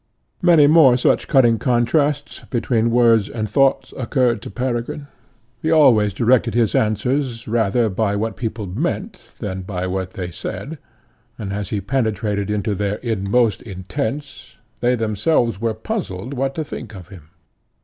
Many more such cutting contrasts between words and thoughts occurred to Peregrine. He always directed his answers rather by what people meant than by what they said, and, as he penetrated into their inmost intents, they themselves were puzzled what to think of him.